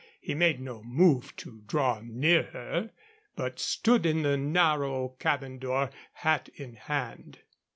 He made no move to draw near her, but stood in the narrow cabin door, hat in hand.